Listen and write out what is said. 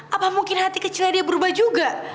apa mungkin hati kecilnya dia berubah juga